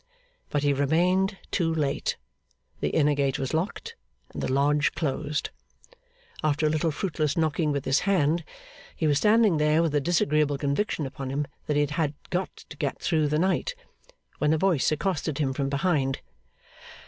But he remained too late. The inner gate was locked, and the lodge closed. After a little fruitless knocking with his hand, he was standing there with the disagreeable conviction upon him that he had got to get through the night, when a voice accosted him from behind.